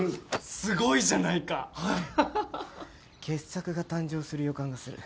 傑作が誕生する予感がする。